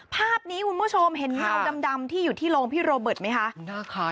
ภาพนี้คุณผู้ชมเห็นเงาดำที่อยู่ที่โรงพี่โรเบิร์ตไหมคะ